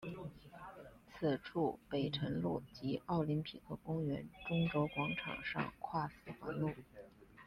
此处北辰路及奥林匹克公园中轴广场上跨四环路。